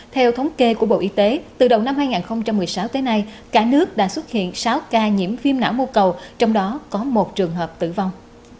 theo thống kê của bộ y tế từ đầu năm hai nghìn một mươi sáu tới nay cả nước đã xuất hiện sáu ca nhiễm viêm não mô cầu trong đó có một trường hợp tử vong